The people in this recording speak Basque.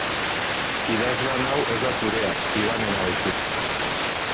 Idazlan hau ez da zurea Ivanena baizik.